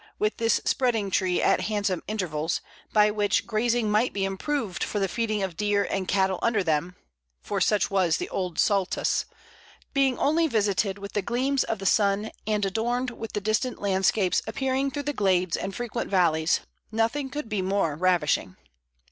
with this spreading tree at handsome intervals, by which grazing might be improved for the feeding of deer and cattle under them (for such was the old Saltus), being only visited with the gleams of the sun, and adorned with the distant landscapes appearing through the glades and frequent valleys, nothing could be more ravishing."